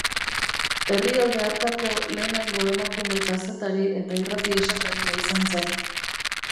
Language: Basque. Herrialde hartako lehenengo emakume kazetari eta irrati-esataria izan zen.